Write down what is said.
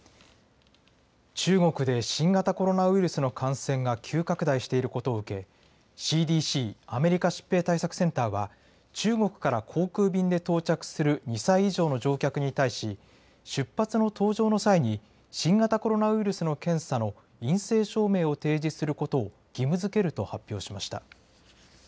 中国で新型コロナウイルスの感染が急拡大していることを受け、ＣＤＣ・アメリカ疾病対策センターは中国から航空便で到着する２歳以上の乗客に対し、出発の搭乗の際に、新型コロナウイルスの検査の陰性証明を提示することを義務づけると発表しました。